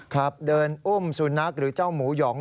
ครับเดินอุ้มสุนัขหรือเจ้าหมูหยอง